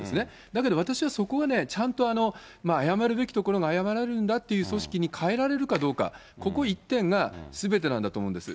だけど、私はそこをちゃんと謝るべきところを謝るんだって組織に変えられるかどうか、ここ一点がすべてなんだと思うんです。